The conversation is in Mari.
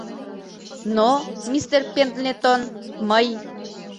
— Но, мистер Пендлетон, мый...